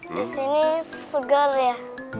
di sini segar ya